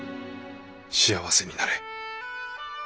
「幸せになれ」。